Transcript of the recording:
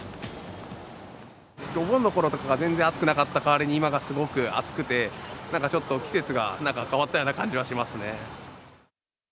お盆のころとかが全然暑くなかった代わりに、今がすごく暑くて、なんかちょっと、季節が変わったような感じはしますね。